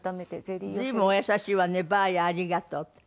随分お優しいわね「バーヤありがとう」って。